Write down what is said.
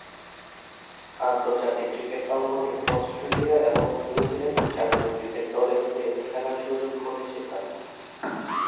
আন্তর্জাতিক ক্রিকেট অঙ্গনে অস্ট্রেলিয়া এবং নিউজিল্যান্ড জাতীয় ক্রিকেট দলের হয়ে খেলার সুযোগ ঘটেছে তার।